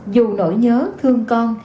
dù nỗi nhớ thương con